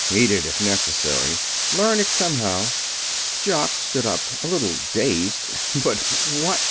Eat it, if necessary; learn it somehow." Jock stood up, a little dazed. "But, what!